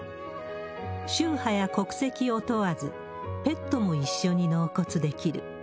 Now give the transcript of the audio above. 宗派や国籍を問わず、ペットも一緒に納骨できる。